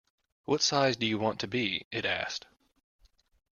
‘What size do you want to be?’ it asked.